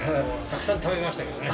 たくさん食べましたけどね。